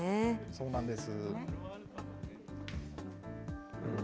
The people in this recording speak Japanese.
そうなんです。